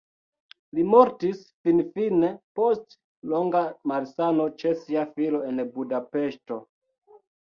Li mortis finfine post longa malsano ĉe sia filo en Budapeŝto.